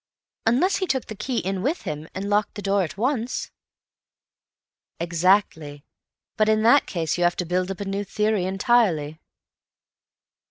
"Unless he took the key in with him, and locked the door at once." "Exactly. But in that case you have to build up a new theory entirely."